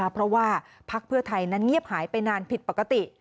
เพราะว่าพักเพื่อไทยนั้นเงียบหายไปนานผิดปกติ